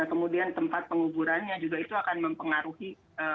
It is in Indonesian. kemudian tempat penguburannya juga itu akan mempengaruhi